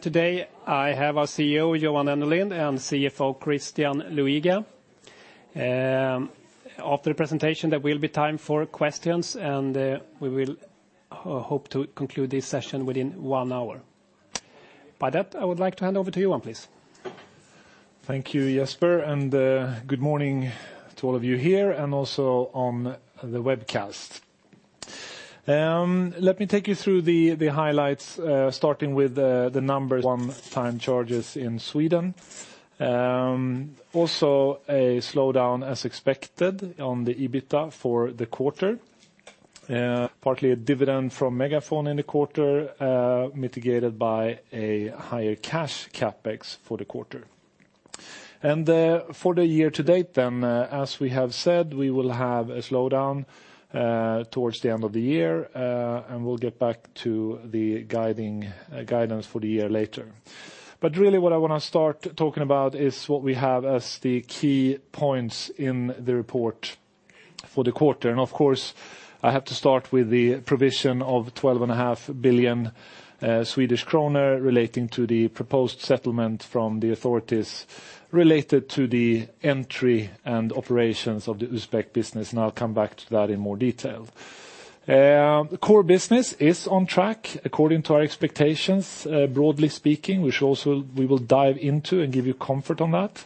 Today I have our CEO, Johan Dennelind, and CFO, Christian Luiga. After the presentation, there will be time for questions. We will hope to conclude this session within one hour. By that, I would like to hand over to you, Johan, please. Thank you, Jesper. Good morning to all of you here and also on the webcast. Let me take you through the highlights, starting with the numbers. One-time charges in Sweden. Also a slowdown as expected on the EBITDA for the quarter. Partly a dividend from MegaFon in the quarter, mitigated by a higher cash CapEx for the quarter. For the year to date then, as we have said, we will have a slowdown towards the end of the year. We will get back to the guidance for the year later. Really what I want to start talking about is what we have as the key points in the report for the quarter. Of course, I have to start with the provision of 12.5 billion Swedish kronor relating to the proposed settlement from the authorities related to the entry and operations of the Uzbek business. I will come back to that in more detail. The core business is on track according to our expectations, broadly speaking, which also we will dive into and give you comfort on that.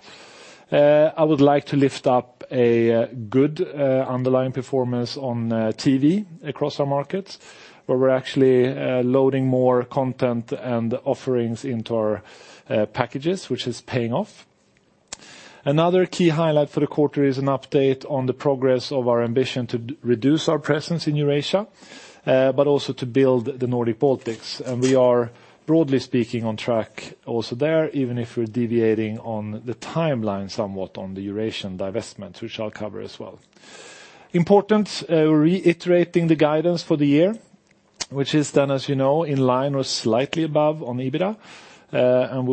I would like to lift up a good underlying performance on TV across our markets, where we are actually loading more content and offerings into our packages, which is paying off. Another key highlight for the quarter is an update on the progress of our ambition to reduce our presence in Eurasia, but also to build the Nordic Baltics. We are broadly speaking on track also there, even if we are deviating on the timeline somewhat on the Eurasian divestment, which I will cover as well. Important, reiterating the guidance for the year, which is then, as you know, in line or slightly above on EBITDA. We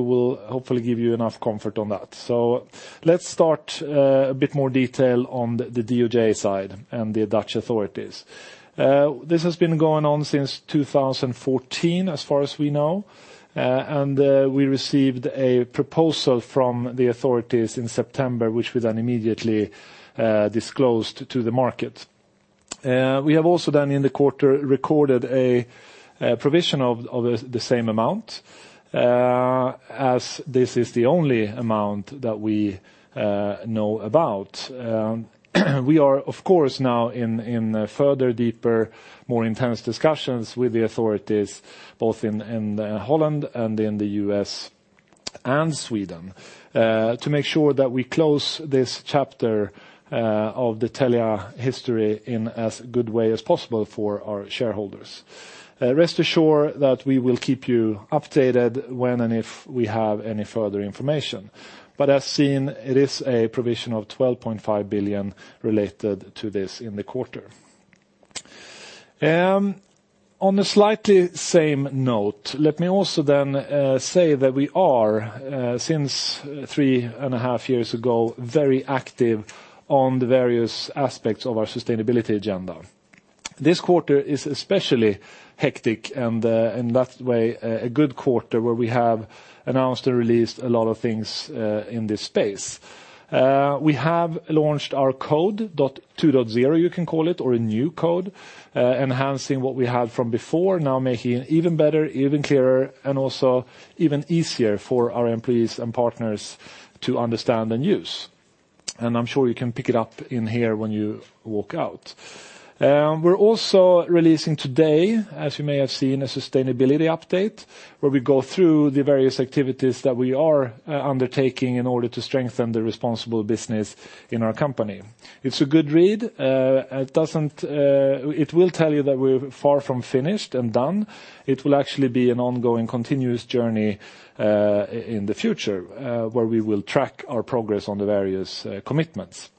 will hopefully give you enough comfort on that. Let's start a bit more detail on the DOJ side and the Dutch authorities. This has been going on since 2014 as far as we know. We received a proposal from the authorities in September, which we then immediately disclosed to the market. We have also then in the quarter recorded a provision of the same amount, as this is the only amount that we know about. We are of course now in further, deeper, more intense discussions with the authorities, both in Holland and in the U.S. and Sweden to make sure that we close this chapter of the Telia history in as good way as possible for our shareholders. Rest assured that we will keep you updated when and if we have any further information. As seen, it is a provision of 12.5 billion related to this in the quarter. On a slightly same note, let me also then say that we are since three and a half years ago very active on the various aspects of our sustainability agenda. This quarter is especially hectic and in that way a good quarter where we have announced and released a lot of things in this space. We have launched our code, .2.0 you can call it, or a new code, enhancing what we have from before, now making it even better, even clearer, and also even easier for our employees and partners to understand and use. I'm sure you can pick it up in here when you walk out. We're also releasing today, as you may have seen, a sustainability update where we go through the various activities that we are undertaking in order to strengthen the responsible business in our company. It's a good read. It will tell you that we're far from finished and done. It will actually be an ongoing continuous journey in the future, where we will track our progress on the various commitments.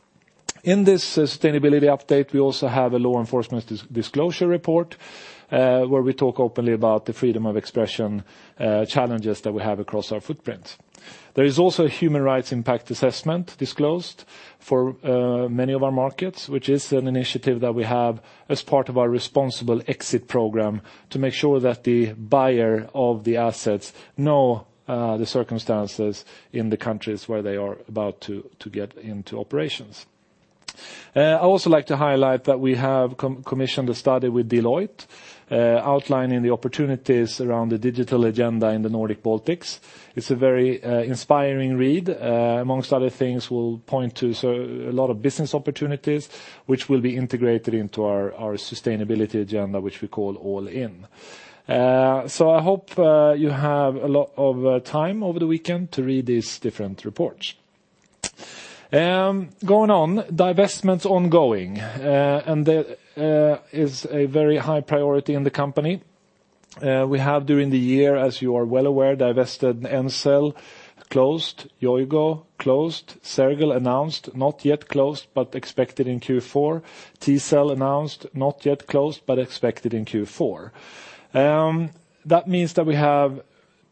In this sustainability update, we also have a law enforcement disclosure report, where we talk openly about the freedom of expression challenges that we have across our footprint. There is also a human rights impact assessment disclosed for many of our markets, which is an initiative that we have as part of our responsible exit program to make sure that the buyer of the assets know the circumstances in the countries where they are about to get into operations. I also like to highlight that we have commissioned a study with Deloitte outlining the opportunities around the digital agenda in the Nordic Baltics. It's a very inspiring read. Amongst other things, we'll point to a lot of business opportunities which will be integrated into our sustainability agenda, which we call All In. I hope you have a lot of time over the weekend to read these different reports. Going on, divestments ongoing, That is a very high priority in the company. We have during the year, as you are well aware, divested Ncell closed, Yoigo closed, Sergel announced, not yet closed but expected in Q4. Tcell announced, not yet closed but expected in Q4. That means that we have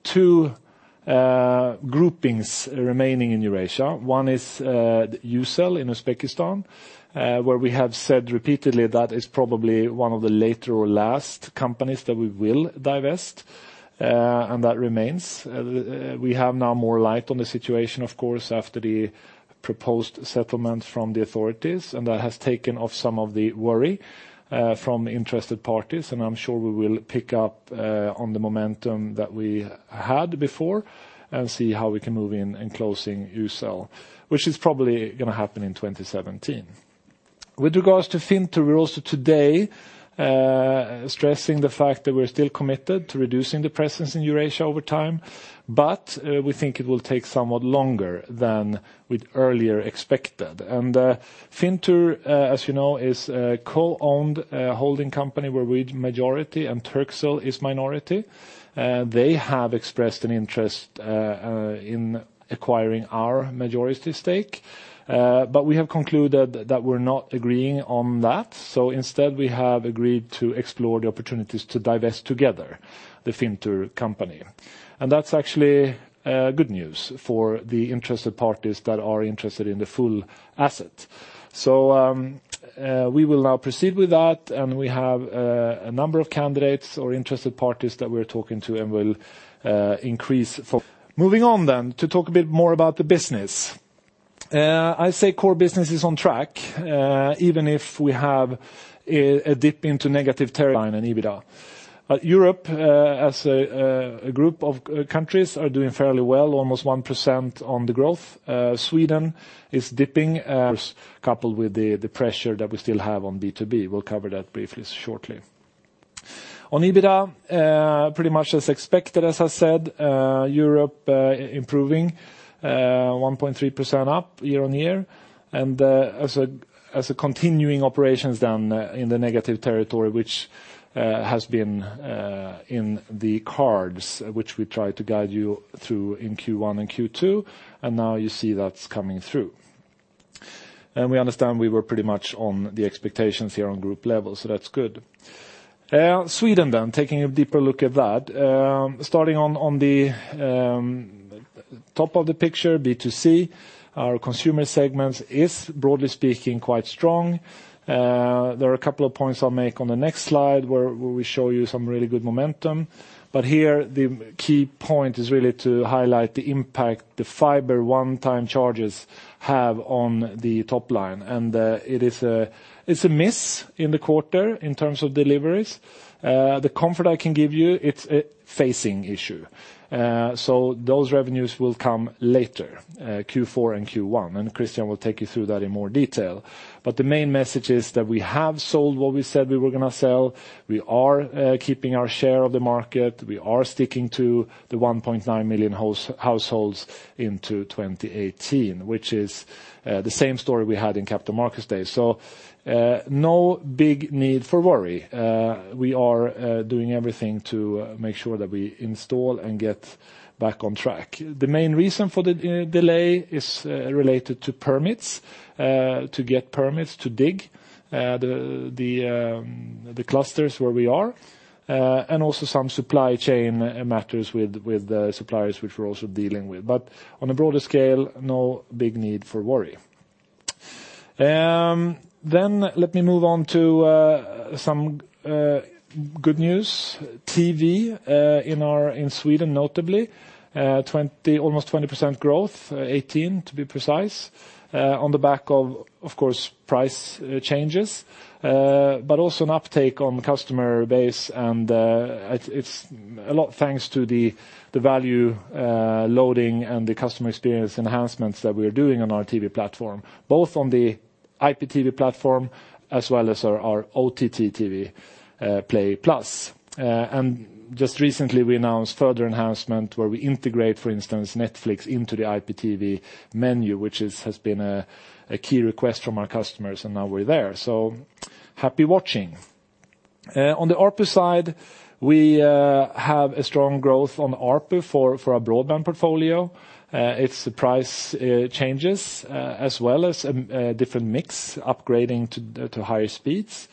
two groupings remaining in Eurasia. One is Ucell in Uzbekistan, where we have said repeatedly that it's probably one of the later or last companies that we will divest, That remains. We have now more light on the situation, of course, after the proposed settlement from the authorities, That has taken off some of the worry from interested parties. I'm sure we will pick up on the momentum that we had before and see how we can move in closing Ucell, which is probably going to happen in 2017. With regards to Fintur, we're also today stressing the fact that we're still committed to reducing the presence in Eurasia over time. We think it will take somewhat longer than we'd earlier expected. Fintur, as you know, is a co-owned holding company where we're majority and Turkcell is minority. They have expressed an interest in acquiring our majority stake. We have concluded that we're not agreeing on that. Instead, we have agreed to explore the opportunities to divest together the Fintur company. That's actually good news for the interested parties that are interested in the full asset. We will now proceed with that, and we have a number of candidates or interested parties that we're talking to and will increase for. Moving on to talk a bit more about the business. I say core business is on track, even if we have a dip into negative territory line and EBITDA. Europe, as a group of countries, are doing fairly well, almost 1% on the growth. Sweden is dipping, of course, coupled with the pressure that we still have on B2B. We'll cover that briefly shortly. On EBITDA, pretty much as expected, as I said, Europe improving, 1.3% up year-on-year, and as a continuing operations down in the negative territory, which has been in the cards, which we tried to guide you through in Q1 and Q2. Now you see that's coming through. We understand we were pretty much on the expectations here on group level, so that's good. Sweden, taking a deeper look at that. Starting on the top of the picture, B2C, our consumer segment is, broadly speaking, quite strong. There are a couple of points I'll make on the next slide where we show you some really good momentum. Here the key point is really to highlight the impact the fiber one-time charges have on the top line. It's a miss in the quarter in terms of deliveries. The comfort I can give you, it's a facing issue. Those revenues will come later, Q4 and Q1, and Christian will take you through that in more detail. The main message is that we have sold what we said we were going to sell. We are keeping our share of the market. We are sticking to the 1.9 million households into 2018, which is the same story we had in Capital Markets Day. No big need for worry. We are doing everything to make sure that we install and get back on track. The main reason for the delay is related to permits, to get permits to dig the clusters where we are, and also some supply chain matters with the suppliers, which we're also dealing with. On a broader scale, no big need for worry. Let me move on to some good news. TV in Sweden notably, almost 20% growth, 18 to be precise, on the back of course price changes, but also an uptake on the customer base, and it's a lot thanks to the value loading and the customer experience enhancements that we're doing on our TV platform, both on the IPTV platform as well as our OTT TV Play Plus. Just recently we announced further enhancement where we integrate, for instance, Netflix into the IPTV menu, which has been a key request from our customers, and now we're there. Happy watching. On the ARPU side, we have a strong growth on ARPU for our broadband portfolio. It's the price changes as well as a different mix, upgrading to higher speeds.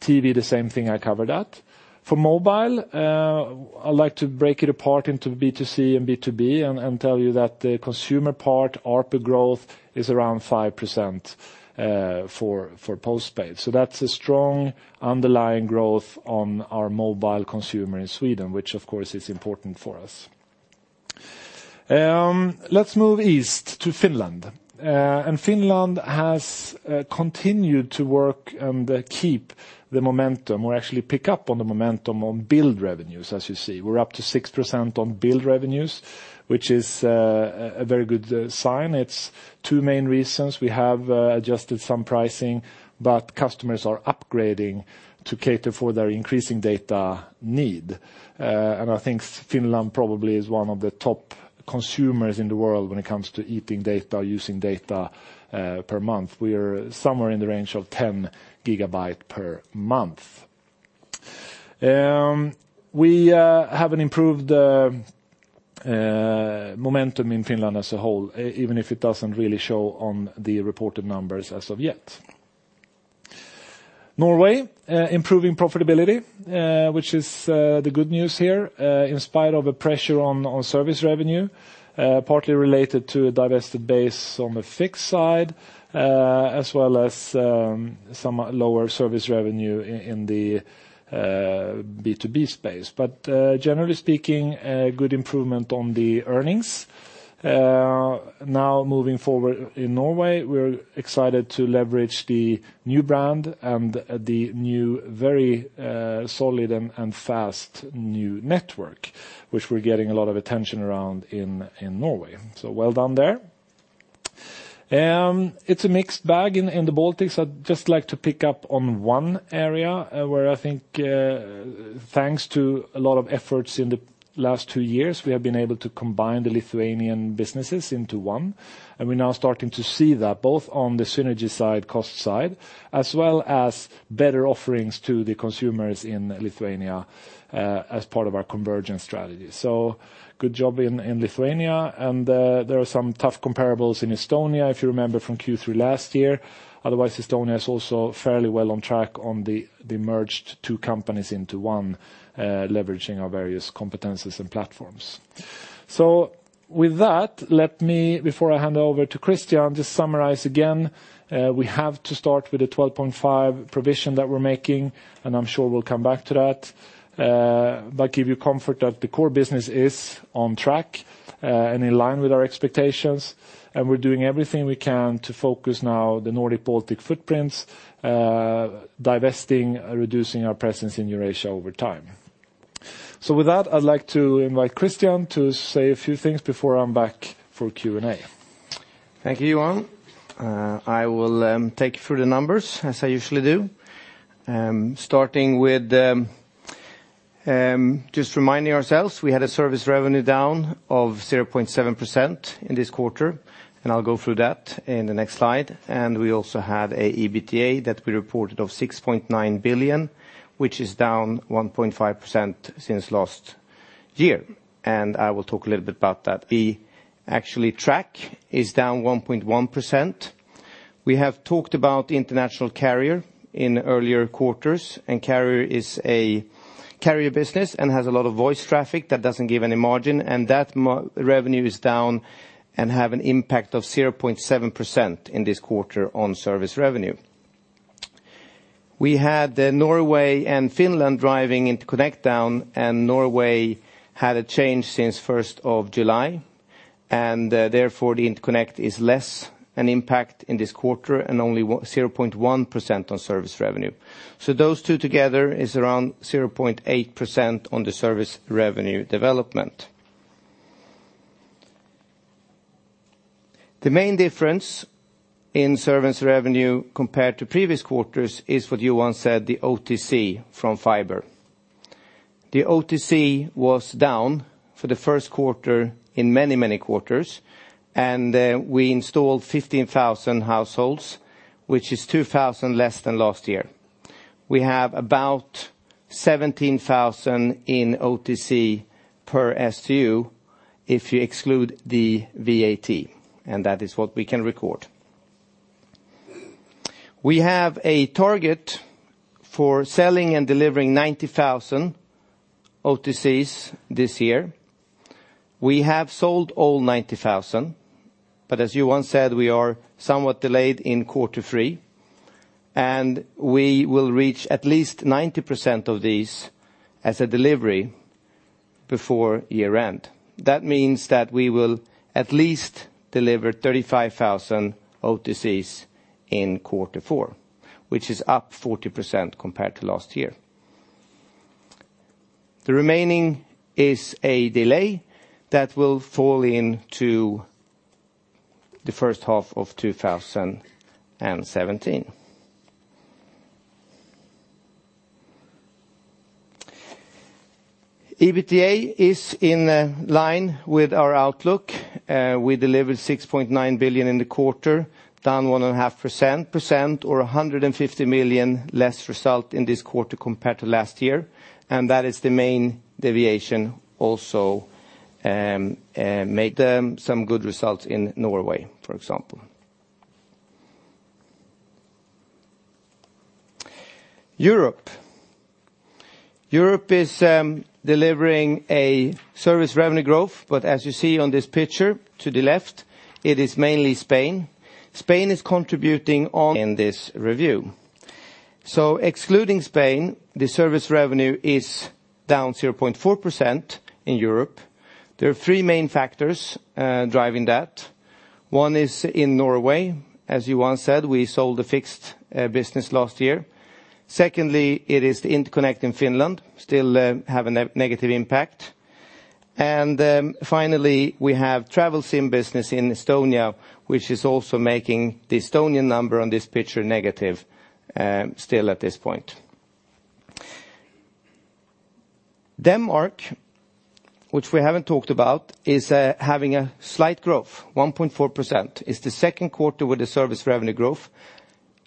TV, the same thing I covered that. For mobile, I'd like to break it apart into B2C and B2B and tell you that the consumer part ARPU growth is around 5% for postpaid. That's a strong underlying growth on our mobile consumer in Sweden, which of course is important for us. Let's move east to Finland. Finland has continued to work and keep the momentum, or actually pick up on the momentum on billed revenues, as you see. We're up to 6% on billed revenues, which is a very good sign. It's two main reasons. We have adjusted some pricing, but customers are upgrading to cater for their increasing data need. I think Finland probably is one of the top consumers in the world when it comes to eating data, using data per month. We are somewhere in the range of 10 gigabytes per month. We have an improved momentum in Finland as a whole, even if it doesn't really show on the reported numbers as of yet. Norway, improving profitability, which is the good news here. In spite of a pressure on service revenue, partly related to a divested base on the fixed side, as well as some lower service revenue in the B2B space. Generally speaking, a good improvement on the earnings. Now moving forward in Norway, we're excited to leverage the new brand and the new very solid and fast new network, which we're getting a lot of attention around in Norway. Well done there. It's a mixed bag in the Baltics. I'd just like to pick up on one area where I think, thanks to a lot of efforts in the last two years, we have been able to combine the Lithuanian businesses into one, we're now starting to see that both on the synergy side, cost side, as well as better offerings to the consumers in Lithuania as part of our convergence strategy. Good job in Lithuania. There are some tough comparables in Estonia, if you remember, from Q3 last year. Otherwise, Estonia is also fairly well on track on the merged two companies into one, leveraging our various competencies and platforms. With that, let me, before I hand over to Christian, just summarize again. We have to start with the 12.5 provision that we're making, and I'm sure we'll come back to that, but give you comfort that the core business is on track and in line with our expectations, and we're doing everything we can to focus now the Nordic/Baltic footprints, divesting, reducing our presence in Eurasia over time. With that, I'd like to invite Christian to say a few things before I'm back for Q&A. Thank you, Johan. I will take you through the numbers as I usually do. Starting with just reminding ourselves, we had a service revenue down of 0.7% in this quarter, and I will go through that in the next slide. We also had an EBITDA that we reported of 6.9 billion, which is down 1.5% since last year. I will talk a little bit about that. The actual track is down 1.1%. We have talked about international carrier in earlier quarters, and carrier is a carrier business and has a lot of voice traffic that doesn't give any margin, and that revenue is down and have an impact of 0.7% in this quarter on service revenue. We had Norway and Finland driving interconnect down. Norway had a change since 1st of July, and therefore the interconnect is less an impact in this quarter and only 0.1% on service revenue. Those two together is around 0.8% on the service revenue development. The main difference in service revenue compared to previous quarters is what Johan said, the OTC from fiber. The OTC was down for the first quarter in many, many quarters. We installed 15,000 households, which is 2,000 less than last year. We have about 17,000 in OTC per SDU if you exclude the VAT, and that is what we can record. We have a target for selling and delivering 90,000 OTCs this year. We have sold all 90,000, but as Johan said, we are somewhat delayed in quarter three, and we will reach at least 90% of these as a delivery before year-end. That means that we will at least deliver 35,000 OTCs in quarter four, which is up 40% compared to last year. The remaining is a delay that will fall into the first half of 2017. EBITDA is in line with our outlook. We delivered 6.9 billion in the quarter, down 1.5% or 150 million less result in this quarter compared to last year, and that is the main deviation also made some good results in Norway, for example. Europe is delivering a service revenue growth, but as you see on this picture to the left, it is mainly Spain. Spain is contributing in this review. Excluding Spain, the service revenue is down 0.4% in Europe. There are three main factors driving that. One is in Norway. As Johan said, we sold the fixed business last year. Secondly, it is the interconnect in Finland, still have a negative impact. Finally, we have travel SIM business in Estonia, which is also making the Estonian number on this picture negative, still at this point. Denmark, which we haven't talked about, is having a slight growth. 1.4%. It's the second quarter with the service revenue growth,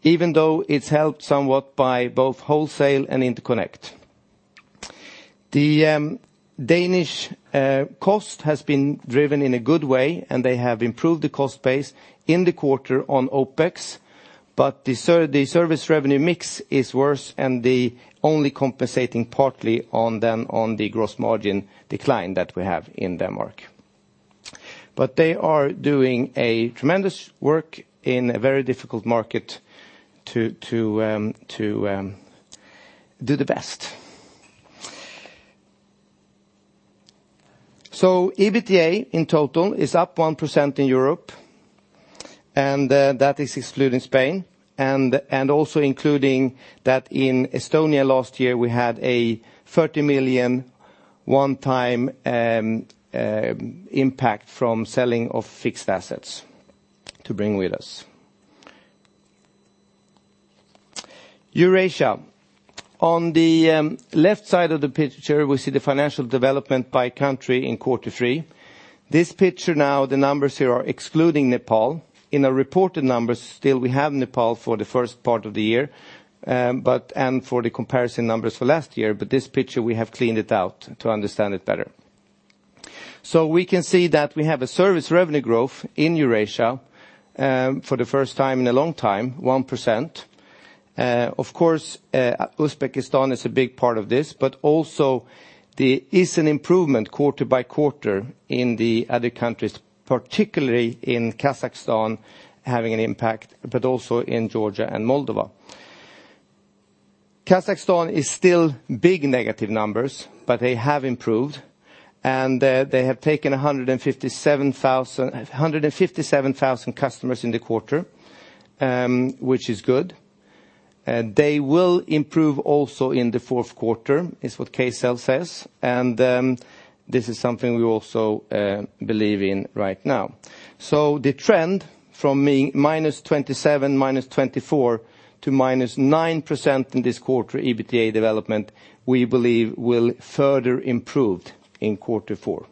even though it's helped somewhat by both wholesale and interconnect. The Danish cost has been driven in a good way, and they have improved the cost base in the quarter on OpEx, but the service revenue mix is worse and only compensating partly on the gross margin decline that we have in Denmark. They are doing a tremendous work in a very difficult market to do the best. EBITDA in total is up 1% in Europe, and that is excluding Spain, and also including that in Estonia last year, we had a 30 million one-time impact from selling of fixed assets. Eurasia, on the left side of the picture, we see the financial development by country in quarter three. This picture now, the numbers here are excluding Nepal. In our reported numbers still we have Nepal for the first part of the year, and for the comparison numbers for last year. This picture, we have cleaned it out to understand it better. We can see that we have a service revenue growth in Eurasia for the first time in a long time, 1%. Uzbekistan is a big part of this, but also there is an improvement quarter by quarter in the other countries, particularly in Kazakhstan having an impact, but also in Georgia and Moldova. Kazakhstan is still big negative numbers, but they have improved, and they have taken 157,000 customers in the quarter, which is good. They will improve also in the fourth quarter, is what Kcell says, and this is something we also believe in right now. The trend from -27%, -24%, to -9% in this quarter, EBITDA development, we believe will further improve in quarter four.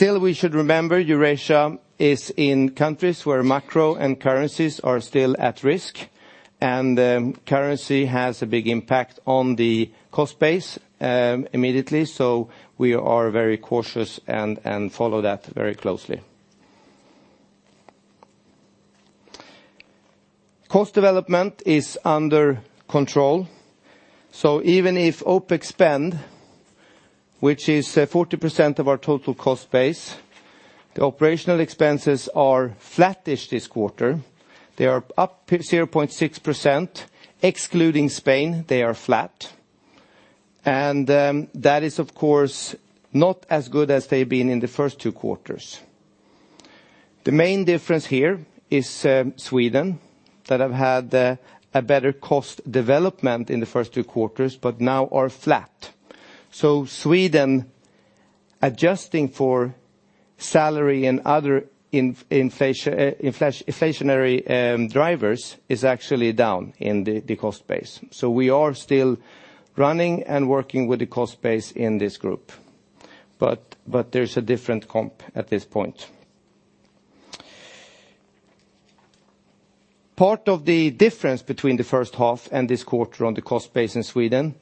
We should remember Eurasia is in countries where macro and currencies are still at risk, and currency has a big impact on the cost base immediately, so we are very cautious and follow that very closely. Cost development is under control. Even if OpEx spend, which is 40% of our total cost base, the operational expenses are flattish this quarter. They are up 0.6%. Excluding Spain, they are flat. That is, of course, not as good as they've been in the first two quarters. The main difference here is Sweden, that have had a better cost development in the first two quarters, but now are flat. Sweden, adjusting for salary and other inflationary drivers, is actually down in the cost base. We are still running and working with the cost base in this group. There's a different comp at this point. Part of the difference between the first half and this quarter on the cost base in Sweden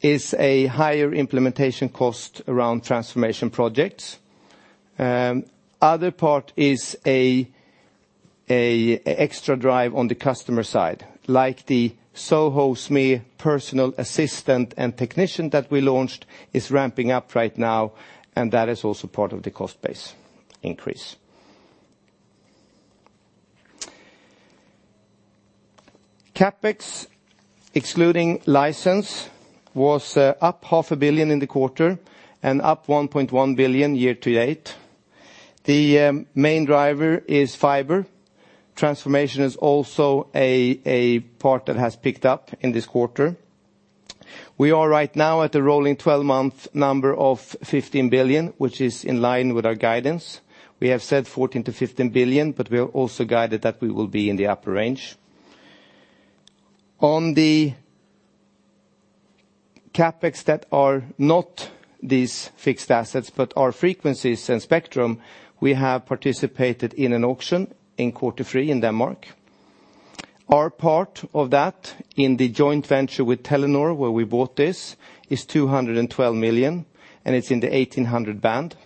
is a higher implementation cost around transformation projects. Other part is a extra drive on the customer side, like the SOHO SME personal assistant and technician that we launched is ramping up right now, and that is also part of the cost base increase. CapEx, excluding license, was up SEK half a billion in the quarter and up 1.1 billion year-to-date. The main driver is fiber. Transformation is also a part that has picked up in this quarter. We are right now at the rolling 12-month number of 15 billion, which is in line with our guidance. We have said 14 billion to 15 billion, but we are also guided that we will be in the upper range. On the CapEx that are not these fixed assets, but are frequencies and spectrum, we have participated in an auction in quarter three in Denmark. Our part of that in the joint venture with Telenor, where we bought this, is 212 million, and it is in the 1800 band.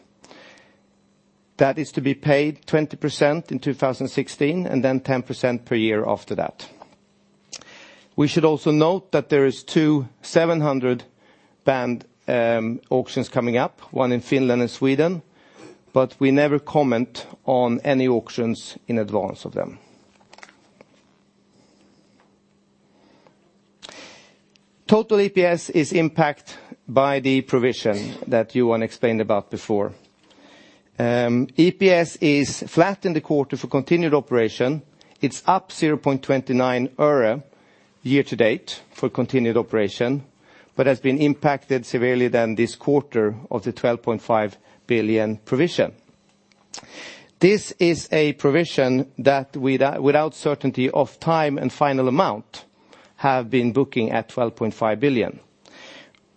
That is to be paid 20% in 2016 and then 10% per year after that. We should also note that there is two 700 band auctions coming up, one in Finland and Sweden. We never comment on any auctions in advance of them. Total EPS is impact by the provision that Johan explained about before. EPS is flat in the quarter for continued operation. It is up 0.29 euro year to date for continued operation, but has been impacted severely then this quarter of the 12.5 billion provision. This is a provision that without certainty of time and final amount have been booking at 12.5 billion.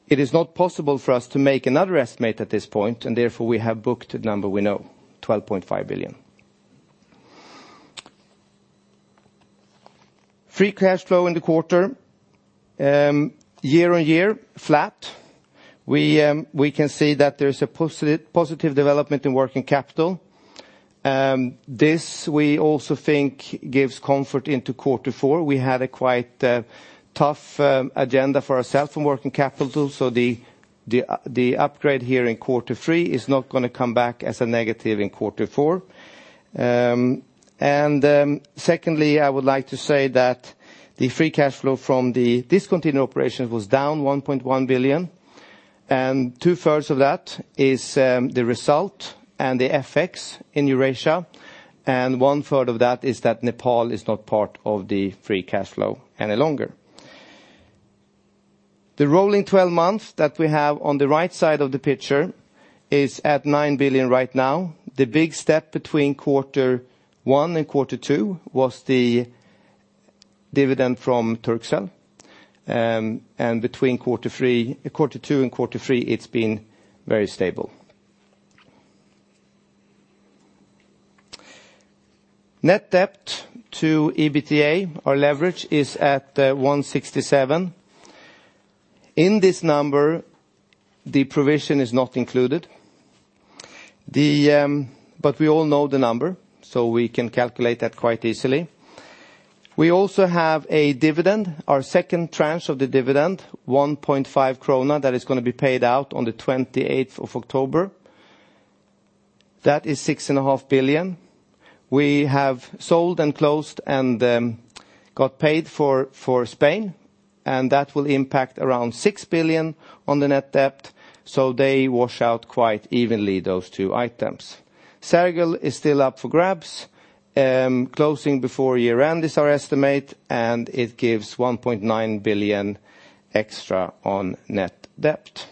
It is not possible for us to make another estimate at this point. Therefore, we have booked the number we know, 12.5 billion. Free cash flow in the quarter, year-over-year, flat. We can see that there is a positive development in working capital. This, we also think gives comfort into Q4. We had a quite tough agenda for ourself in working capital, so the upgrade here in Q3 is not going to come back as a negative in Q4. Secondly, I would like to say that the free cash flow from the discontinued operations was down 1.1 billion, and two-thirds of that is the result and the FX in Eurasia, and one third of that is that Nepal is not part of the free cash flow any longer. The rolling 12 months that we have on the right side of the picture is at 9 billion right now. The big step between Q1 and Q2 was the dividend from Turkcell. Between Q2 and Q3, it has been very stable. Net debt to EBITDA, our leverage is at 167. In this number, the provision is not included. We all know the number, so we can calculate that quite easily. We also have a dividend, our second tranche of the dividend, 1.5 krona, that is going to be paid out on the 28th of October. That is 6.5 billion. We have sold and closed and got paid for Spain. That will impact around 6 billion on the net debt, so they wash out quite evenly, those two items. Sergel is still up for grabs. Closing before year-end is our estimate. It gives 1.9 billion extra on net debt.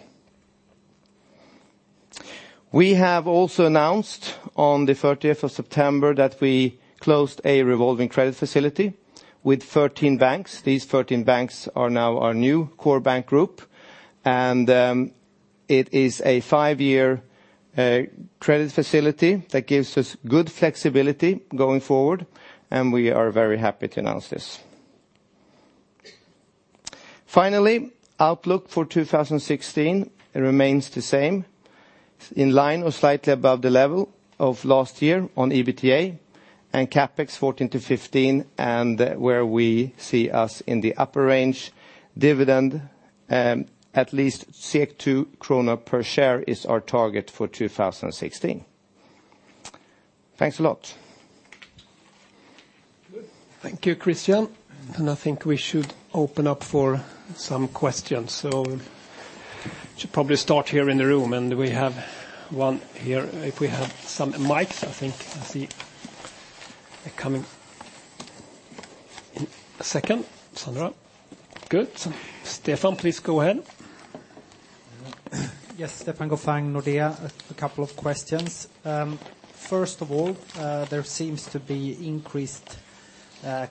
We have also announced on the 30th of September that we closed a revolving credit facility with 13 banks. These 13 banks are now our new core bank group. It is a five-year credit facility that gives us good flexibility going forward, and we are very happy to announce this. Finally, outlook for 2016 remains the same, in line or slightly above the level of last year on EBITDA and CapEx 14 billion-15 billion, where we see us in the upper range. Dividend, at least 2 krona per share is our target for 2016. Thanks a lot. Good. Thank you, Christian. I think we should open up for some questions. Should probably start here in the room, and we have one here. If we have some mics, I think I see it coming in a second. Sandra. Good. Stefan, please go ahead. Yes, Stefan Gauffin, Nordea. A couple of questions. First of all, there seems to be increased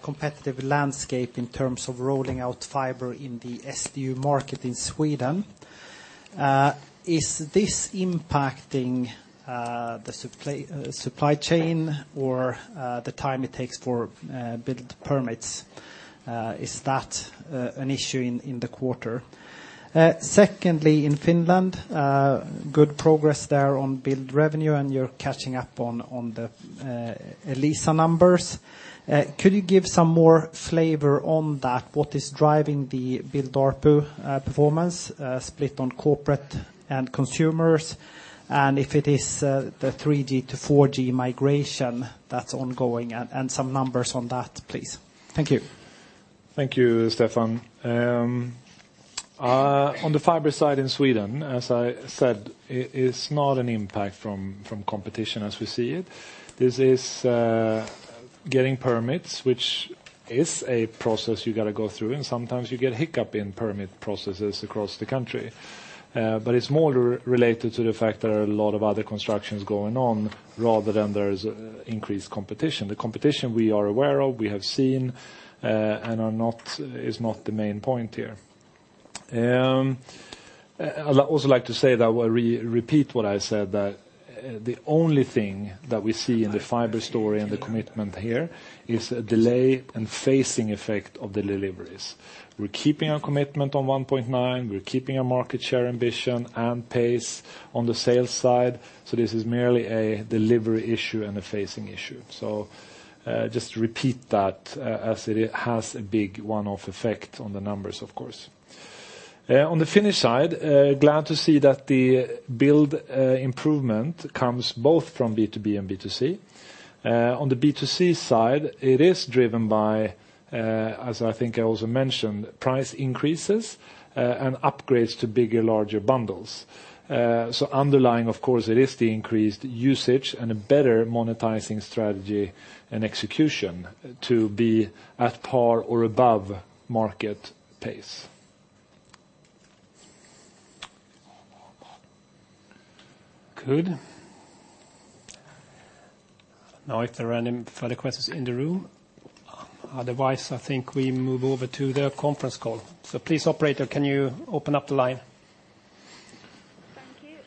competitive landscape in terms of rolling out fiber in the SDU market in Sweden. Is this impacting the supply chain or the time it takes for build permits? Is that an issue in the quarter? Secondly, in Finland, good progress there on build revenue and you're catching up on the Elisa numbers. Could you give some more flavor on that? What is driving the ARPU performance split on corporate and consumers? And if it is the 3G to 4G migration that's ongoing, and some numbers on that, please. Thank you. Thank you, Stefan. On the fiber side in Sweden, as I said, it's not an impact from competition as we see it. This is getting permits, which is a process you got to go through, and sometimes you get hiccup in permit processes across the country. It's more related to the fact there are a lot of other constructions going on rather than there is increased competition. The competition we are aware of, we have seen, and is not the main point here. I'd also like to say that, well, repeat what I said, that the only thing that we see in the fiber story and the commitment here is a delay and phasing effect of the deliveries. We're keeping our commitment on 1.9, we're keeping our market share ambition and pace on the sales side, this is merely a delivery issue and a phasing issue. Just repeat that as it has a big one-off effect on the numbers, of course. On the Finnish side, glad to see that the build improvement comes both from B2B and B2C. On the B2C side, it is driven by, as I think I also mentioned, price increases and upgrades to bigger, larger bundles. Underlying, of course, it is the increased usage and a better monetizing strategy and execution to be at par or above market pace. Good. If there are any further questions in the room. Otherwise, I think we move over to the conference call. Please, operator, can you open up the line?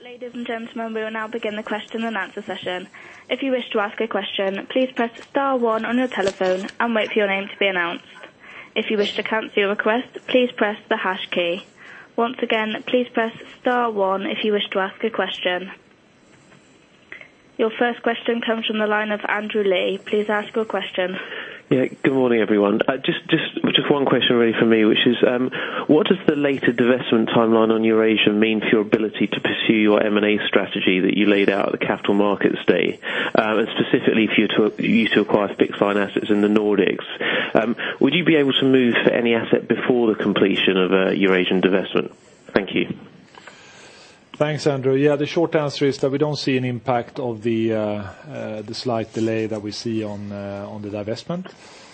Ladies and gentlemen, we will now begin the question and answer session. If you wish to ask a question, please press star one on your telephone and wait for your name to be announced. If you wish to cancel your request, please press the hash key. Once again, please press star one if you wish to ask a question. Your first question comes from the line of Andrew Lee. Please ask your question. Yeah. Good morning, everyone. Just one question really from me, which is, what does the later divestment timeline on Eurasia mean for your ability to pursue your M&A strategy that you laid out at the Capital Markets Day? Specifically if you used to acquire fixed-line assets in the Nordics. Would you be able to move for any asset before the completion of a Eurasian divestment? Thank you. Thanks, Andrew. Yeah, the short answer is that we don't see an impact of the slight delay that we see on the divestment.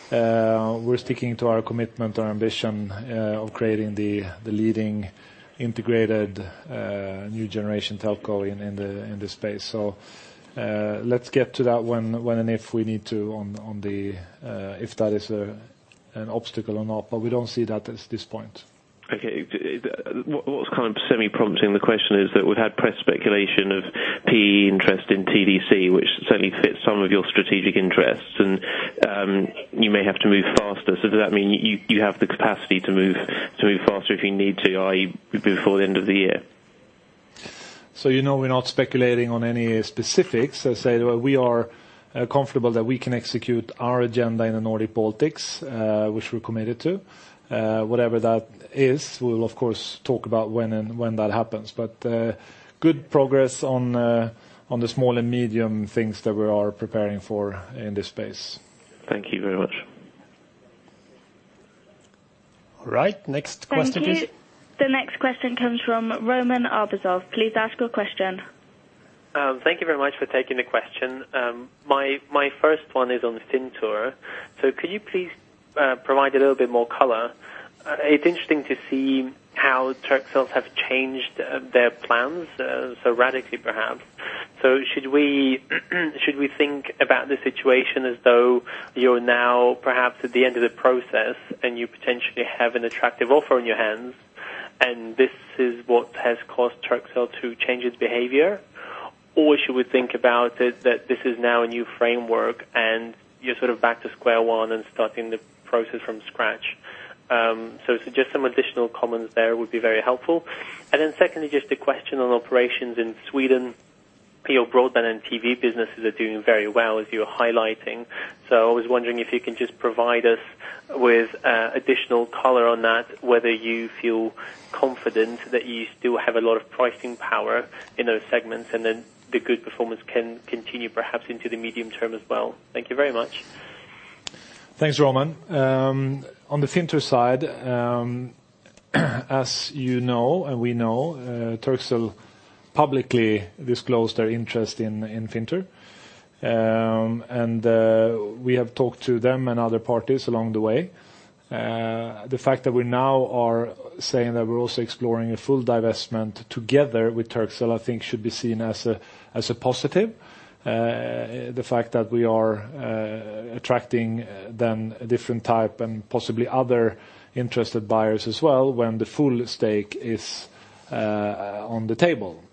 We're sticking to our commitment, our ambition of creating the leading integrated new generation telco in this space. Let's get to that one when and if we need to, if that is an obstacle or not, but we don't see that at this point. What was kind of semi-prompting the question is that we've had press speculation of PE interest in TDC, which certainly fits some of your strategic interests, and you may have to move faster. Does that mean you have the capacity to move faster if you need to, i.e., before the end of the year? You know we're not speculating on any specifics. Say that we are comfortable that we can execute our agenda in the Nordic-Baltics, which we're committed to. Whatever that is, we'll of course talk about when that happens. Good progress on the small and medium things that we are preparing for in this space. Thank you very much. All right. Next question, please. Thank you. The next question comes from Roman Arbuzov. Please ask your question. Thank you very much for taking the question. My first one is on Fintur. Could you please provide a little bit more color? It's interesting to see how Turkcell have changed their plans so radically, perhaps. Should we think about the situation as though you're now perhaps at the end of the process and you potentially have an attractive offer on your hands, and this is what has caused Turkcell to change its behavior? Or should we think about it that this is now a new framework and you're sort of back to square one and starting the process from scratch? Just some additional comments there would be very helpful. Secondly, just a question on operations in Sweden. Your broadband and TV businesses are doing very well, as you're highlighting. I was wondering if you can just provide us with additional color on that, whether you feel confident that you still have a lot of pricing power in those segments, and then the good performance can continue perhaps into the medium term as well. Thank you very much. Thanks, Roman. On the Fintur side, as you know and we know, Turkcell publicly disclosed their interest in Fintur. We have talked to them and other parties along the way. The fact that we now are saying that we're also exploring a full divestment together with Turkcell, I think, should be seen as a positive. The fact that we are attracting then a different type and possibly other interested buyers as well when the full stake is on the table.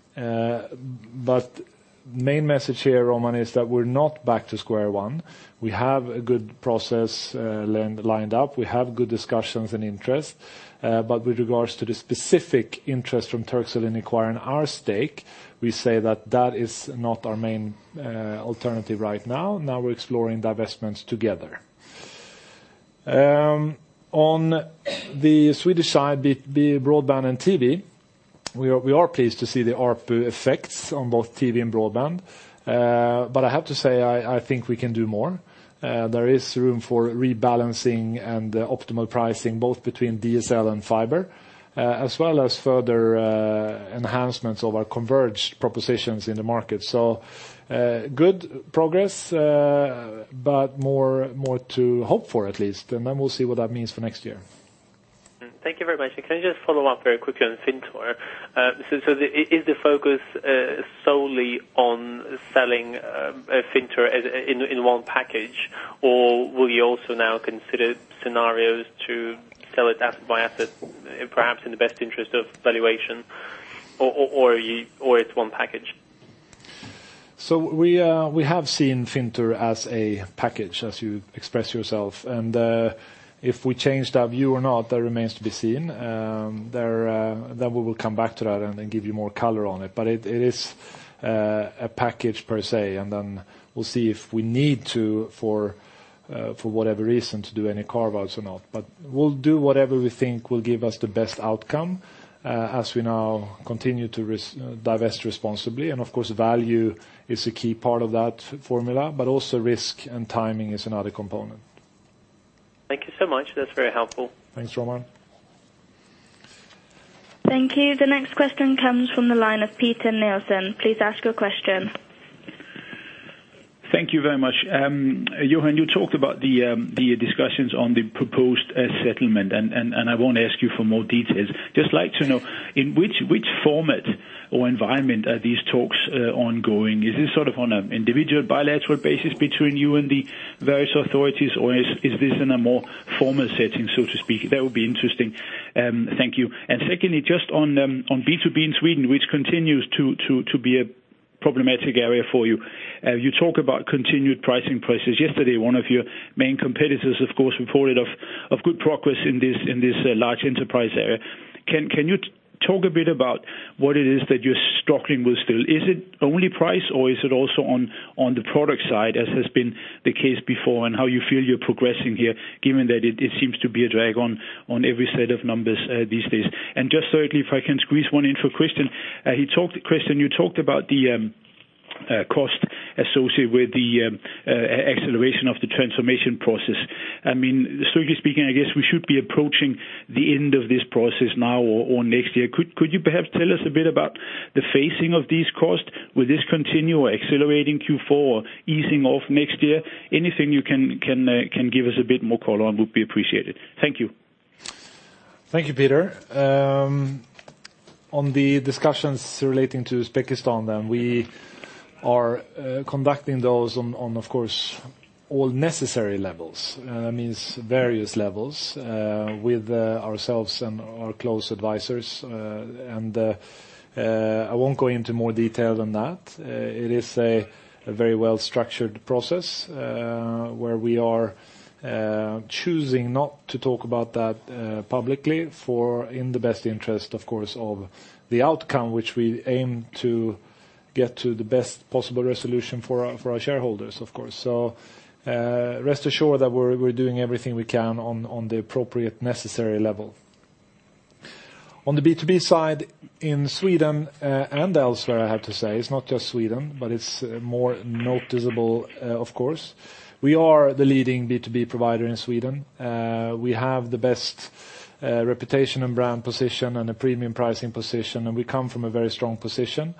Main message here, Roman, is that we're not back to square one. We have a good process lined up. We have good discussions and interest. With regards to the specific interest from Turkcell in acquiring our stake, we say that that is not our main alternative right now. We're exploring divestments together. On the Swedish side, be it broadband and TV, we are pleased to see the ARPU effects on both TV and broadband. I have to say, I think we can do more. There is room for rebalancing and optimal pricing, both between DSL and fiber, as well as further enhancements of our converged propositions in the market. Good progress, but more to hope for at least, and then we'll see what that means for next year. Thank you very much. Can I just follow up very quickly on Fintur? Is the focus solely on selling Fintur in one package, or will you also now consider scenarios to sell it asset by asset, perhaps in the best interest of valuation, or it's one package? We have seen Fintur as a package, as you express yourself, and if we change that view or not, that remains to be seen. We will come back to that and give you more color on it. It is a package per se, and then we'll see if we need to, for whatever reason, to do any carve-outs or not. We'll do whatever we think will give us the best outcome as we now continue to divest responsibly. Of course, value is a key part of that formula, but also risk and timing is another component. Thank you so much. That's very helpful. Thanks, Roman. Thank you. The next question comes from the line of Peter Nielsen. Please ask your question. Thank you very much. Johan, you talked about the discussions on the proposed settlement, I won't ask you for more details. Just like to know, in which format or environment are these talks ongoing? Is this sort of on an individual bilateral basis between you and the various authorities, or is this in a more formal setting, so to speak? That would be interesting. Thank you. Secondly, just on B2B in Sweden, which continues to be a problematic area for you. You talk about continued pricing pressures. Yesterday, one of your main competitors, of course, reported of good progress in this large enterprise area. Can you talk a bit about what it is that you're struggling with still? Is it only price, or is it also on the product side, as has been the case before, how you feel you're progressing here, given that it seems to be a drag on every set of numbers these days. Just thirdly, if I can squeeze one intro question. Christian, you talked about the cost associated with the acceleration of the transformation process. I mean, strictly speaking, I guess we should be approaching the end of this process now or next year. Could you perhaps tell us a bit about the phasing of these costs? Will this continue accelerating Q4 or easing off next year? Anything you can give us a bit more color on would be appreciated. Thank you. Thank you, Peter. On the discussions relating to Uzbekistan, we are conducting those on, of course, all necessary levels, various levels, with ourselves and our close advisors. I won't go into more detail than that. It is a very well-structured process, where we are choosing not to talk about that publicly in the best interest, of course, of the outcome, which we aim to get to the best possible resolution for our shareholders, of course. Rest assured that we're doing everything we can on the appropriate necessary level. On the B2B side in Sweden and elsewhere, I have to say, it's not just Sweden, but it's more noticeable, of course. We are the leading B2B provider in Sweden. We have the best reputation and brand position and a premium pricing position, and we come from a very strong position.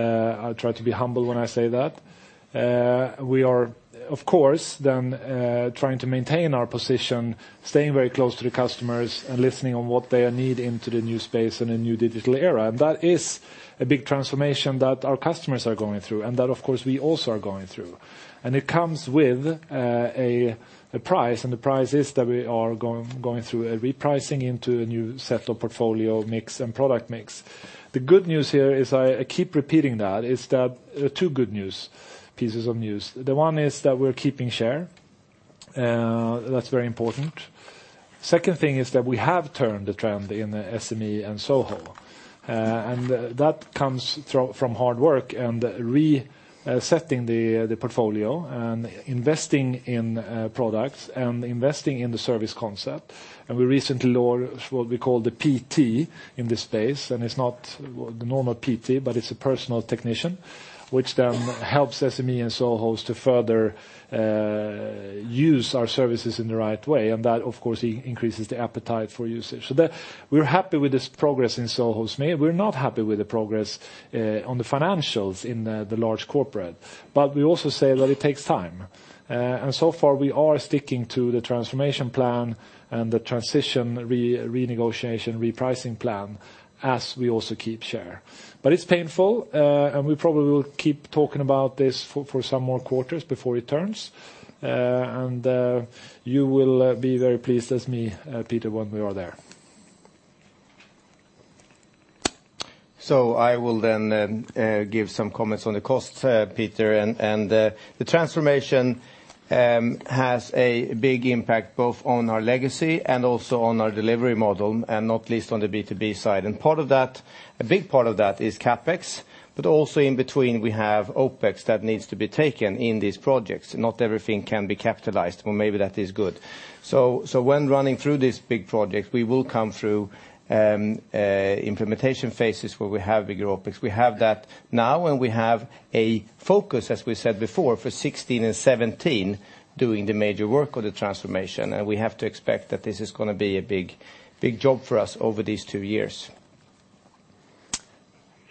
I try to be humble when I say that. We are, of course, trying to maintain our position, staying very close to the customers and listening on what they need into the new space in a new digital era. That is a big transformation that our customers are going through, and that, of course, we also are going through. It comes with a price, and the price is that we are going through a repricing into a new set of portfolio mix and product mix. The good news here is, I keep repeating that, is that there are two good news pieces of news. The one is that we're keeping share. That's very important. Second thing is that we have turned the trend in the SME and SOHO. That comes from hard work and resetting the portfolio and investing in products and investing in the service concept. We recently launched what we call the PT in this space, and it's not the normal PT, but it's a personal technician, which helps SME and SOHOs to further use our services in the right way. That, of course, increases the appetite for usage. We're happy with this progress in SOHO. We're not happy with the progress on the financials in the large corporate, we also say that it takes time. So far, we are sticking to the transformation plan and the transition renegotiation repricing plan as we also keep share. It's painful, and we probably will keep talking about this for some more quarters before it turns. You will be very pleased, as me, Peter, when we are there. I will give some comments on the cost, Peter. The transformation has a big impact both on our legacy and also on our delivery model, and not least on the B2B side. A big part of that is CapEx, but also in between, we have OpEx that needs to be taken in these projects. Not everything can be capitalized, or maybe that is good. When running through these big projects, we will come through implementation phases where we have bigger OpEx. We have that now, and we have a focus, as we said before, for 2016 and 2017 doing the major work of the transformation, and we have to expect that this is going to be a big job for us over these two years.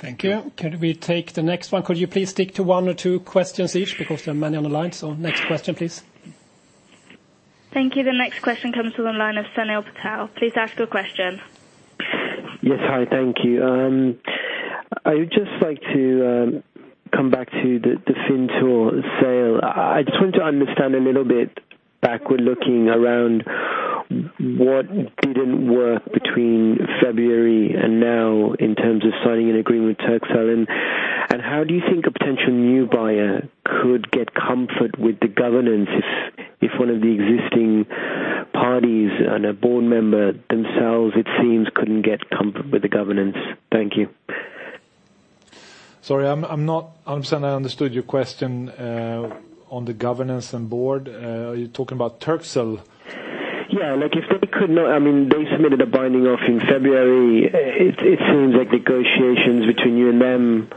Thank you. Could we take the next one? Could you please stick to one or two questions each because there are many on the line. Next question, please. Thank you. The next question comes to the line of Sunil Patel. Please ask your question. Yes. Hi, thank you. I would just like to come back to the Fintur sale. I just want to understand a little bit backward-looking around what didn't work between February and now in terms of signing an agreement with Turkcell, and how do you think a potential new buyer could get comfort with the governance if one of the existing parties and a board member themselves, it seems, couldn't get comfort with the governance? Thank you. Sorry, I'm not sure I understood your question on the governance and board. Are you talking about Turkcell? I mean, they submitted a binding offer in February. It seems like negotiations between you and them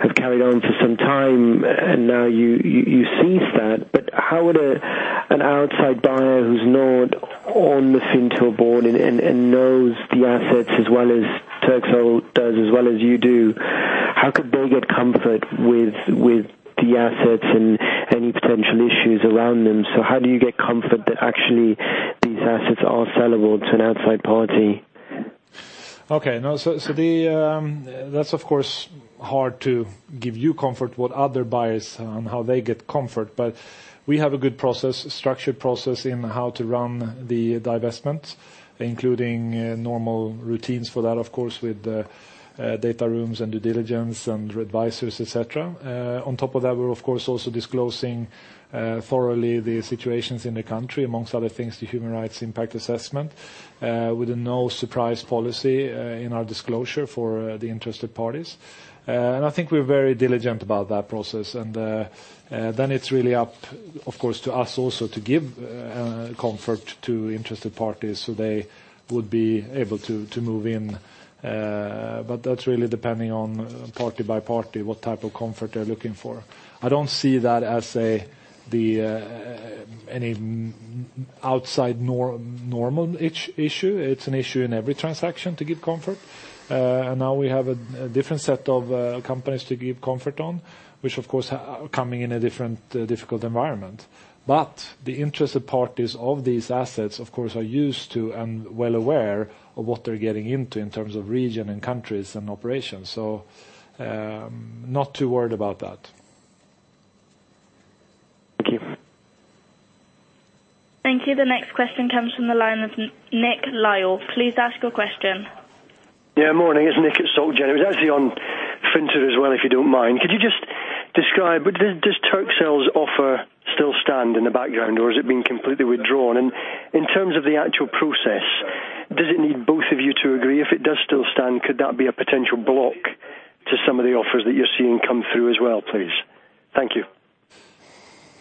have carried on for some time, and now you cease that. How would an outside buyer who's not on the Fintur board and knows the assets as well as Turkcell does as well as you do, how could they get comfort with the assets and any potential issues around them? How do you get comfort that actually these assets are sellable to an outside party? That's of course hard to give you comfort what other buyers and how they get comfort, we have a good structured process in how to run the divestment, including normal routines for that, of course, with data rooms and due diligence and advisors, et cetera. On top of that, we're of course also disclosing thoroughly the situations in the country, amongst other things, the human rights impact assessment, with a no surprise policy in our disclosure for the interested parties. I think we're very diligent about that process. Then it's really up, of course, to us also to give comfort to interested parties so they would be able to move in. That's really depending on party by party, what type of comfort they're looking for. I don't see that as any outside normal issue. It's an issue in every transaction to give comfort. Now we have a different set of companies to give comfort on, which of course, coming in a different difficult environment. The interested parties of these assets, of course, are used to and well aware of what they're getting into in terms of region and countries and operations. Not too worried about that. Thank you. Thank you. The next question comes from the line of Nick Lyall. Please ask your question. Yeah, morning. It's Nick at SocGen. It was actually on Fintur as well, if you don't mind. Could you just describe, does Turkcell's offer still stand in the background or has it been completely withdrawn? In terms of the actual process, does it need both of you to agree? If it does still stand, could that be a potential block to some of the offers that you're seeing come through as well, please? Thank you.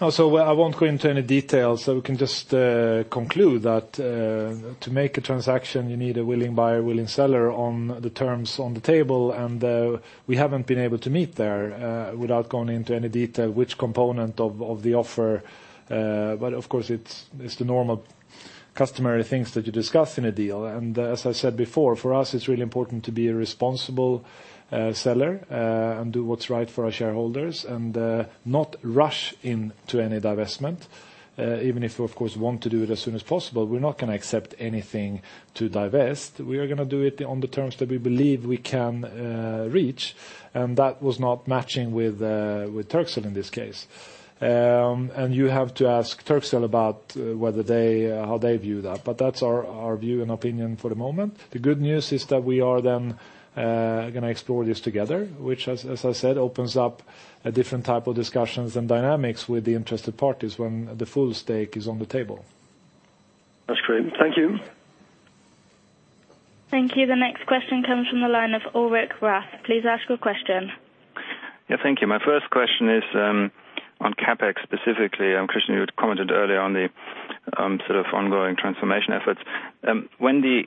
Well, I won't go into any details. We can just conclude that to make a transaction, you need a willing buyer, willing seller on the terms on the table, and we haven't been able to meet there, without going into any detail which component of the offer. Of course, it's the normal customary things that you discuss in a deal. As I said before, for us, it's really important to be a responsible seller and do what's right for our shareholders and not rush into any divestment. Even if we, of course, want to do it as soon as possible, we're not going to accept anything to divest. We are going to do it on the terms that we believe we can reach, and that was not matching with Turkcell in this case. You have to ask Turkcell about how they view that. That's our view and opinion for the moment. The good news is that we are then going to explore this together, which as I said, opens up a different type of discussions and dynamics with the interested parties when the full stake is on the table. That's great. Thank you. Thank you. The next question comes from the line of Ulrich Rathe. Please ask your question. Yeah, thank you. My first question is on CapEx specifically. Christian, you had commented earlier on the sort of ongoing transformation efforts. When the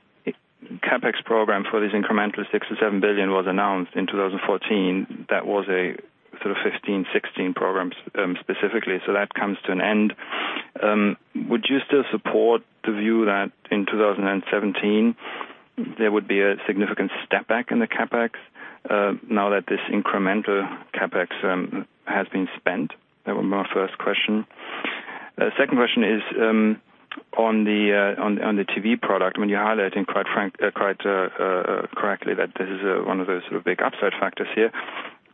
CapEx program for this incremental 6 billion-7 billion was announced in 2014, that was a sort of 2015, 2016 programs specifically, so that comes to an end. Would you still support the view that in 2017 there would be a significant step back in the CapEx now that this incremental CapEx has been spent? That was my first question. Second question is on the TV product. You're highlighting quite correctly that this is one of those sort of big upside factors here.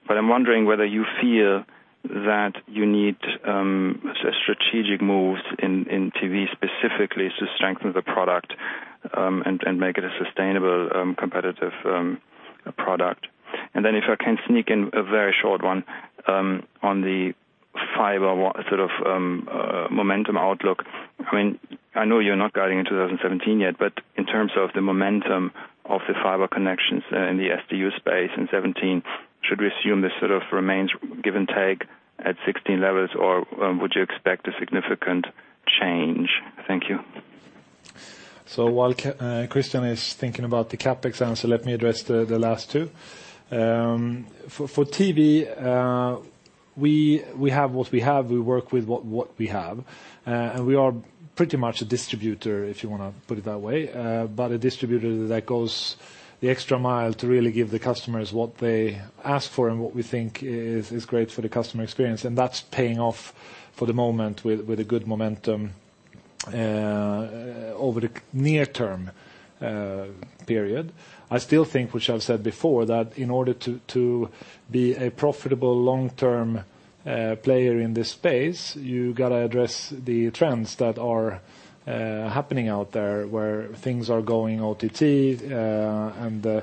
I'm wondering whether you feel that you need strategic moves in TV specifically to strengthen the product and make it a sustainable competitive product. If I can sneak in a very short one on the fiber sort of momentum outlook. I know you're not guiding in 2017 yet, in terms of the momentum of the fiber connections in the SDU space in 2017, should we assume this sort of remains give and take at 2016 levels or would you expect a significant change? Thank you. While Christian is thinking about the CapEx answer, let me address the last two. For TV, we have what we have, we work with what we have. We are pretty much a distributor, if you want to put it that way, but a distributor that goes the extra mile to really give the customers what they ask for and what we think is great for the customer experience. That's paying off for the moment with a good momentum over the near-term period. I still think, which I've said before, that in order to be a profitable long-term player in this space, you got to address the trends that are happening out there where things are going OTT and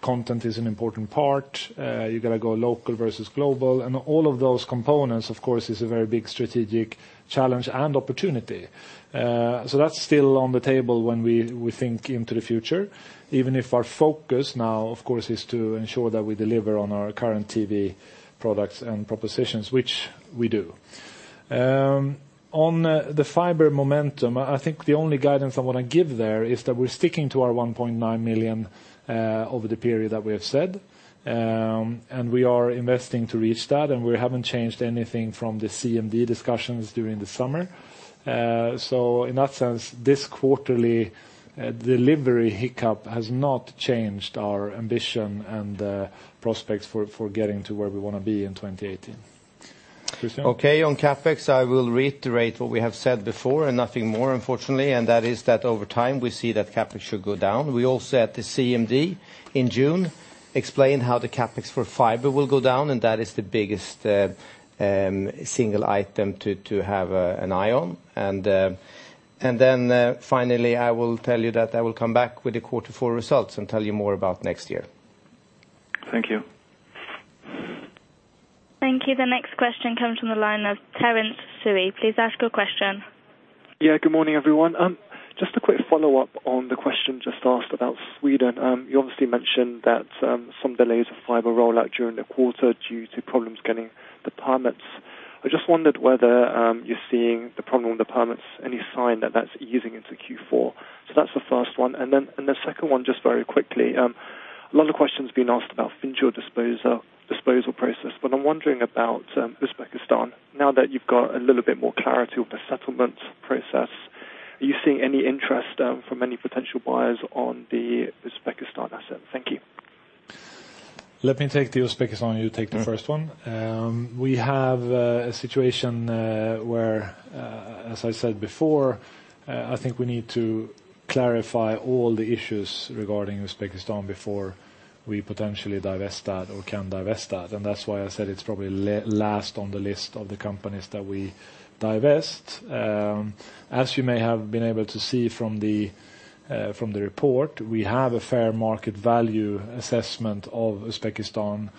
content is an important part. You got to go local versus global and all of those components, of course, is a very big strategic challenge and opportunity. That's still on the table when we think into the future, even if our focus now, of course, is to ensure that we deliver on our current TV products and propositions, which we do. On the fiber momentum, I think the only guidance I want to give there is that we're sticking to our 1.9 million over the period that we have said. We are investing to reach that, and we haven't changed anything from the CMD discussions during the summer. In that sense, this quarterly delivery hiccup has not changed our ambition and prospects for getting to where we want to be in 2018. Okay. On CapEx, I will reiterate what we have said before, nothing more, unfortunately, and that is that over time we see that CapEx should go down. We also, at the CMD in June, explain how the CapEx for fiber will go down, and that is the biggest single item to have an eye on. Finally, I will tell you that I will come back with the quarter four results and tell you more about next year. Thank you. Thank you. The next question comes from the line of Terence Tsui. Please ask your question. Yeah, good morning, everyone. Just a quick follow-up on the question just asked about Sweden. You obviously mentioned that some delays of fiber rollout during the quarter due to problems getting the permits. I just wondered whether you're seeing the problem with the permits, any sign that that's easing into Q4? That's the first one. The second one, just very quickly. A lot of questions being asked about Fintur disposal process, but I'm wondering about Uzbekistan. Now that you've got a little bit more clarity on the settlement process, are you seeing any interest from any potential buyers on the Uzbekistan asset? Thank you. Let me take the Uzbekistan. You take the first one. We have a situation where, as I said before, I think we need to clarify all the issues regarding Uzbekistan before we potentially divest that or can divest that. That's why I said it's probably last on the list of the companies that we divest. As you may have been able to see from the report, we have a fair market value assessment of Uzbekistan,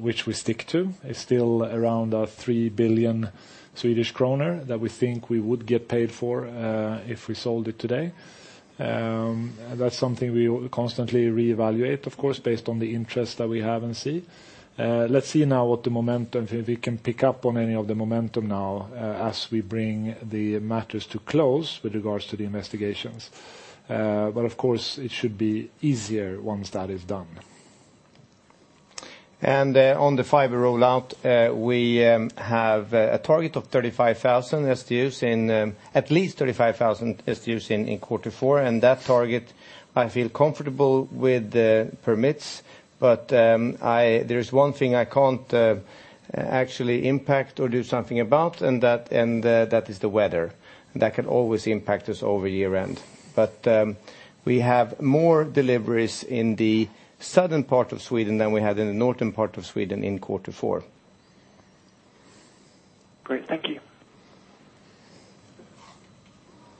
which we stick to. It's still around 3 billion Swedish kronor that we think we would get paid for if we sold it today. That's something we constantly reevaluate, of course, based on the interest that we have and see. Let's see now what the momentum, if we can pick up on any of the momentum now as we bring the matters to close with regards to the investigations. Of course, it should be easier once that is done. On the fiber rollout, we have a target of at least 35,000 SDUs in quarter four, that target I feel comfortable with the permits. There's one thing I can't actually impact or do something about, that is the weather. That can always impact us over year-end. We have more deliveries in the southern part of Sweden than we had in the northern part of Sweden in quarter four. Great. Thank you.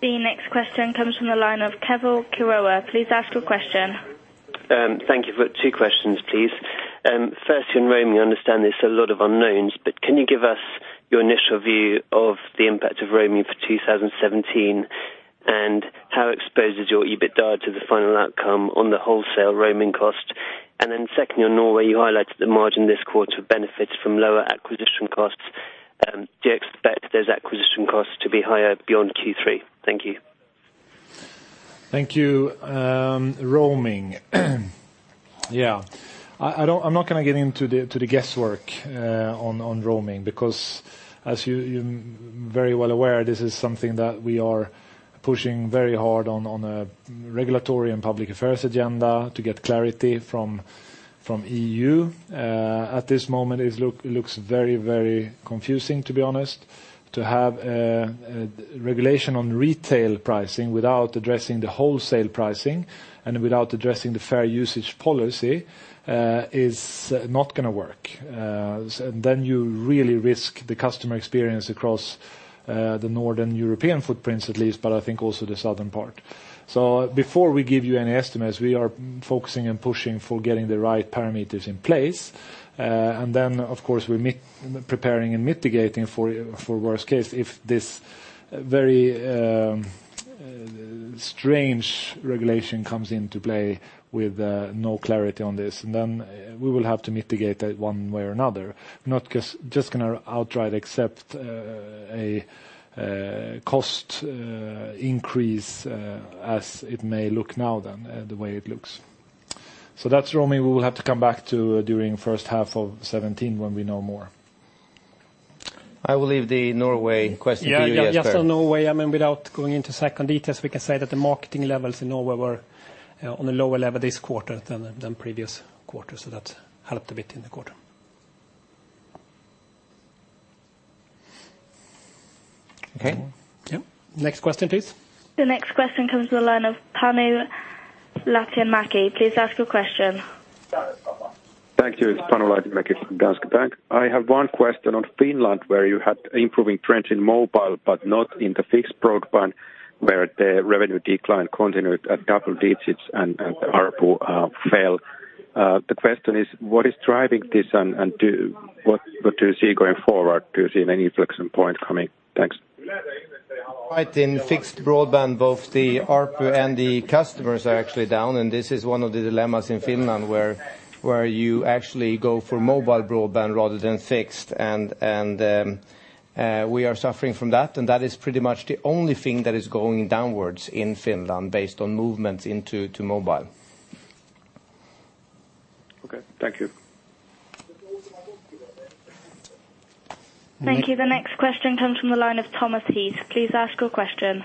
The next question comes from the line of Keval Khiroya. Please ask your question. Thank you. Two questions, please. First, on roaming, I understand there's a lot of unknowns, can you give us your initial view of the impact of roaming for 2017, and how exposed is your EBITDA to the final outcome on the wholesale roaming cost? Second, on Norway, you highlighted the margin this quarter benefits from lower acquisition costs. Do you expect those acquisition costs to be higher beyond Q3? Thank you. Thank you. Roaming. I'm not going to get into the guesswork on roaming because, as you're very well aware, this is something that we are pushing very hard on a regulatory and public affairs agenda to get clarity from EU. At this moment, it looks very confusing, to be honest. To have a regulation on retail pricing without addressing the wholesale pricing and without addressing the fair usage policy is not going to work. You really risk the customer experience across the Northern European footprints at least, but I think also the southern part. Before we give you any estimates, we are focusing and pushing for getting the right parameters in place. Then, of course, we're preparing and mitigating for worst case. If this very strange regulation comes into play with no clarity on this, then we will have to mitigate that one way or another, not just going to outright accept a cost increase as it may look now then, the way it looks. That's roaming. We will have to come back to during first half of 2017 when we know more. I will leave the Norway question to you, Jesper. Norway, without going into second details, we can say that the marketing levels in Norway were on a lower level this quarter than previous quarters, so that helped a bit in the quarter. Okay. Yeah. Next question, please. The next question comes to the line of Panu Laitinmäki. Please ask your question. Thank you. It's Panu Laitinmäki from Danske Bank. I have one question on Finland, where you had improving trends in mobile but not in the fixed broadband, where the revenue decline continued at double digits and the ARPU fell. The question is: what is driving this and what do you see going forward? Do you see any flexing point coming? Thanks. Right. In fixed broadband, both the ARPU and the customers are actually down, and this is one of the dilemmas in Finland, where you actually go for mobile broadband rather than fixed, and we are suffering from that. That is pretty much the only thing that is going downwards in Finland based on movements into mobile. Okay. Thank you. Thank you. The next question comes from the line of Thomas Heath. Please ask your question.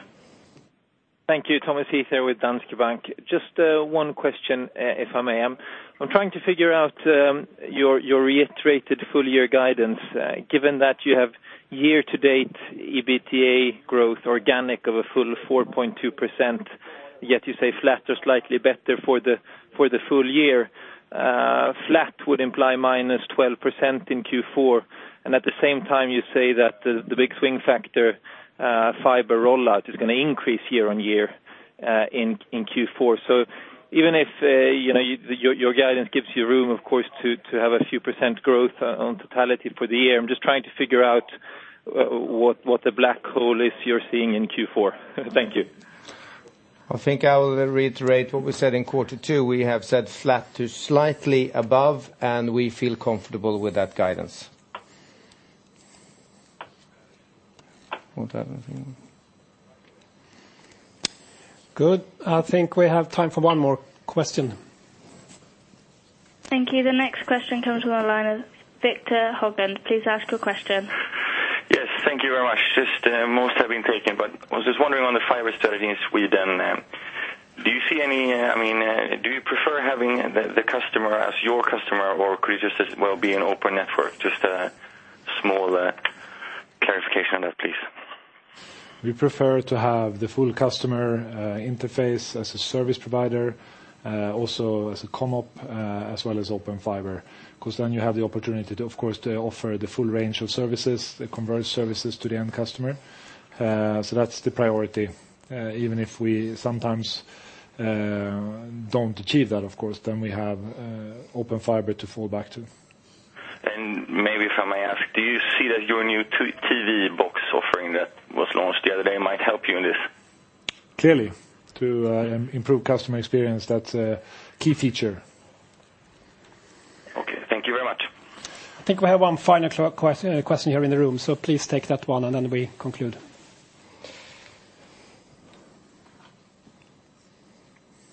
Thank you. Thomas Heath with Danske Bank. Just one question, if I may. I'm trying to figure out your reiterated full-year guidance, given that you have year-to-date EBITDA growth organic of a full 4.2%, yet you say flat or slightly better for the full year. Flat would imply minus 12% in Q4, and at the same time you say that the big swing factor, fiber rollout, is going to increase year-on-year in Q4. Even if your guidance gives you room, of course, to have a few % growth on totality for the year, I'm just trying to figure out what the black hole is you're seeing in Q4. Thank you. I think I'll reiterate what we said in quarter two. We have said flat to slightly above. We feel comfortable with that guidance. Good. I think we have time for one more question. Thank you. The next question comes on the line with Viktor Högberg. Please ask your question. Yes, thank you very much. Just most have been taken. I was just wondering on the fiber strategies Sweden. Do you prefer having the customer as your customer, or could you just as well be an open network? Just a small clarification on that, please. We prefer to have the full customer interface as a service provider, also as a [ComOp], as well as open fiber. Then you have the opportunity, of course, to offer the full range of services, the converged services to the end customer. That's the priority. Even if we sometimes don't achieve that, of course, then we have open fiber to fall back to. Maybe if I may ask, do you see that your new TV box offering that was launched the other day might help you in this? Clearly, to improve customer experience, that's a key feature. Okay. Thank you very much. I think we have one final question here in the room, so please take that one, and then we conclude.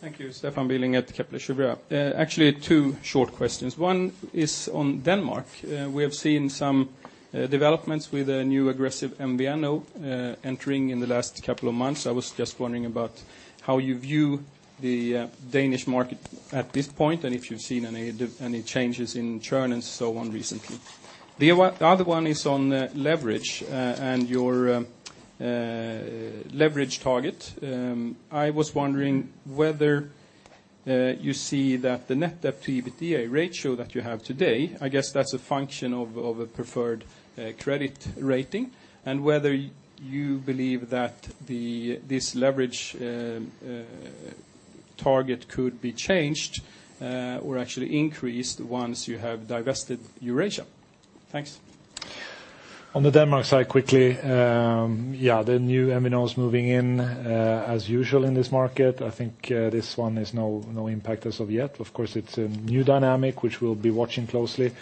Thank you. Stefan Billing at Kepler Cheuvreux. Actually, two short questions. One is on Denmark. We have seen some developments with a new aggressive MVNO entering in the last couple of months. I was just wondering about how you view the Danish market at this point, and if you've seen any changes in churn and so on recently. The other one is on leverage and your leverage target. I was wondering whether you see that the net debt-to-EBITDA ratio that you have today, I guess that's a function of a preferred credit rating, and whether you believe that this leverage target could be changed or actually increased once you have divested Eurasia. Thanks. On the Denmark side quickly, yeah, the new MVNOs moving in as usual in this market. I think this one is no impact as of yet. Of course, it's a new dynamic which we'll be watching closely,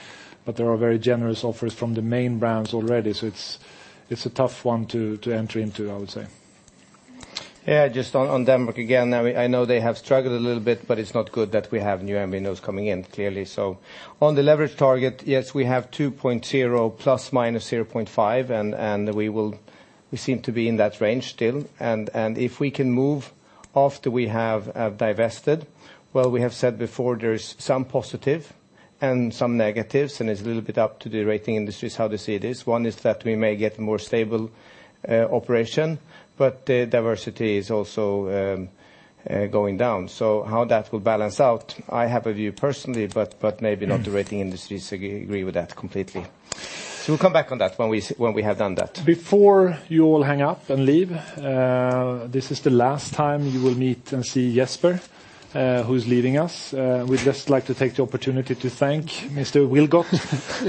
but there are very generous offers from the main brands already, so it's a tough one to enter into, I would say. Yeah, just on Denmark again, I know they have struggled a little bit, but it's not good that we have new MVNOs coming in, clearly. On the leverage target, yes, we have 2.0 ±0.5, we seem to be in that range still. If we can move after we have divested, well, we have said before there is some positive and some negatives, it's a little bit up to the rating industries how they see this. One is that we may get more stable operation, but diversity is also going down. How that will balance out, I have a view personally, but maybe not the rating industries agree with that completely. We'll come back on that when we have done that. Before you all hang up and leave, this is the last time you will meet and see Jesper, who's leaving us. We'd just like to take the opportunity to thank Mr. Wilgodt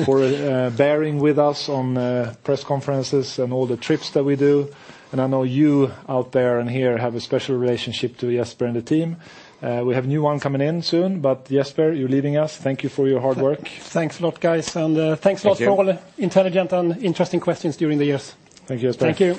for bearing with us on press conferences and all the trips that we do. I know you out there and here have a special relationship to Jesper and the team. We have new one coming in soon, but Jesper, you're leaving us. Thank you for your hard work. Thanks a lot, guys. Thanks a lot for all the intelligent and interesting questions during the years. Thank you, Jesper. Thank you.